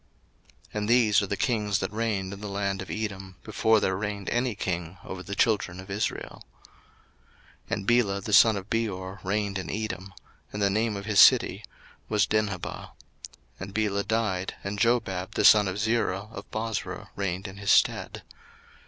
01:036:031 And these are the kings that reigned in the land of Edom, before there reigned any king over the children of Israel. 01:036:032 And Bela the son of Beor reigned in Edom: and the name of his city was Dinhabah. 01:036:033 And Bela died, and Jobab the son of Zerah of Bozrah reigned in his stead.